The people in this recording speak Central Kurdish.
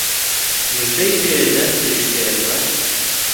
موژدەی پێ ئەدەن فریشتەی ئەخبار